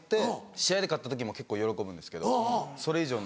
試合で勝った時も結構喜ぶんですけどそれ以上に。